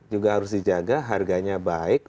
juga harus dijaga harganya baik